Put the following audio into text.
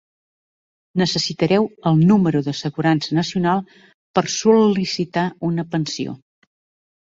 Necessitareu el Número d'assegurança nacional per sol·licitar una pensió